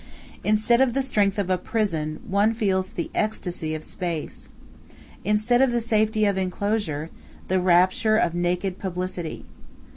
Instead of the strength of a prison one feels the ecstasy of space; instead of the safety of inclosure, the rapture of naked publicity.